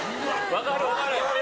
分かる分かる。